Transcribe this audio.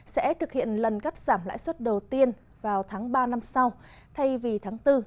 sẽ thực hiện lần cắt giảm lãi suất đầu tiên vào tháng ba năm sau thay vì tháng bốn